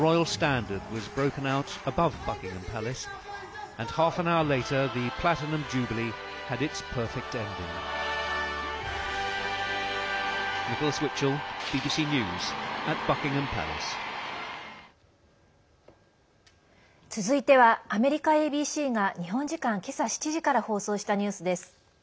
続いてはアメリカＡＢＣが日本時間けさ７時から放送したニュースです。